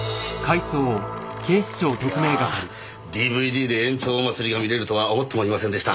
いやＤＶＤで「円朝まつり」が見れるとは思ってもいませんでした。